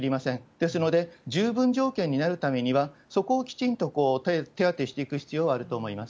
ですので、十分条件になるためには、そこをきちんと手当していく必要はあると思います。